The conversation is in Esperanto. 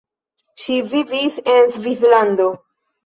Ŝi vivis en Svislando.